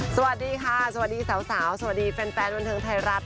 สวัสดีค่ะสวัสดีสาวสวัสดีแฟนบันเทิงไทยรัฐ